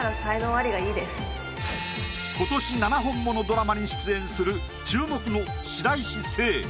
今年７本ものドラマに出演する注目の白石聖。